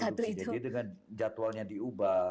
jadi dengan jadwalnya diubah